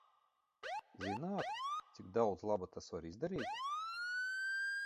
Zināt, cik daudz laba tas var izdarīt?